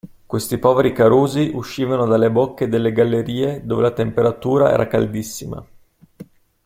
Questi poveri carusi uscivano dalle bocche delle gallerie dove la temperatura era caldissima.